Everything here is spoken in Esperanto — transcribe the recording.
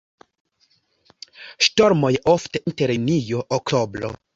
Ŝtormoj oftas inter junio-oktobro.